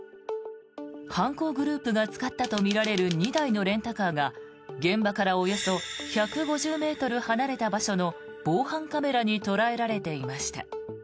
犯行グループが使ったとみられる２台のレンタカーが現場からおよそ１５０ｍ離れた場所の防犯カメラに捉えられていました。